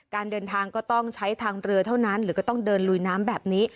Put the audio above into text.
การเดินทางก็ต้องใช้ทางเรือเท่านั้นหรือก็ต้องเดินลุยน้ำแบบนี้